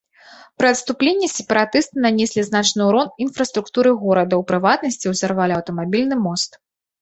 Пры адступленні сепаратысты нанеслі значны ўрон інфраструктуры горада, у прыватнасці, узарвалі аўтамабільны мост.